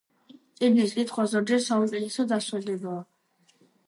წიგნის კითხვა ზოგჯერ საუკეთესო დასვენებაა.